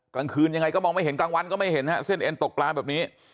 กลางคืนยังไงก็มองไม่เห็นกลางวันก็ไม่เห็นฮะเส้นเอ็นตกกลางแบบนี้